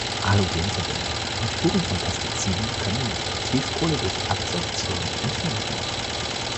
Halogenverbindungen und Spuren von Pestiziden können mit Aktivkohle durch Adsorption entfernt werden.